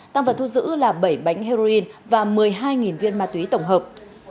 tăng vật thu giữ là bảy bánh heroin và một mươi hai viên ma túy tổng hợp